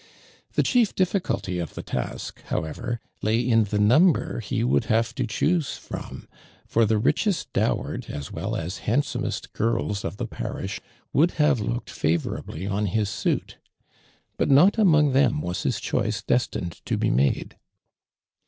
The chief difficulty of the task, however, lay in the number he would have to clioose from, for the richest dowered as well as handsomest girls of the parish would have looked favorably on liis suit. But not among them was his choice destined to be made.